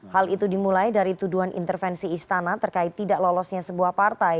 hal itu dimulai dari tuduhan intervensi istana terkait tidak lolosnya sebuah partai